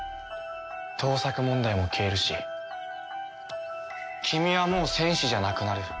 盗作問題も消えるし君はもう戦士じゃなくなる。